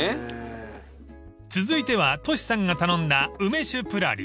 ［続いてはトシさんが頼んだ梅酒ぷらり］